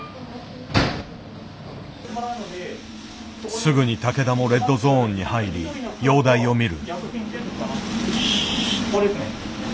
すぐに竹田もレッドゾーンに入り容体を診る。